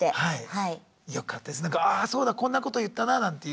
ああそうだこんなこと言ったななんていう。